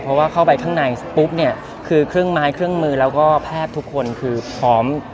เพราะว่าเข้าไปข้างในปุ๊บเนี่ยคือเครื่องไม้เครื่องมือแล้วก็แพทย์ทุกคนคือพร้อม